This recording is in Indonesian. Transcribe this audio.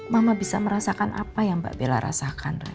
mama bisa merasakan apa yang mbak bella rasakan